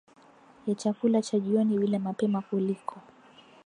ya chakula cha jioni bila mapema kuliko